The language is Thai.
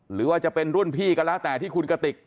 หรือว่าจะเป็นรุ่นพี่ก็แล้วแต่ที่คุณกติก